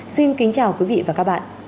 xin kính chào quý vị và các bạn